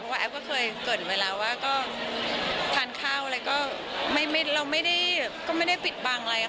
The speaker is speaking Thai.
เพราะว่าแอฟก็เคยเกิดเวลาว่าก็ทานข้าวแล้วก็ไม่ได้ปิดบังอะไรค่ะ